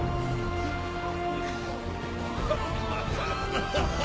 ハハハハ！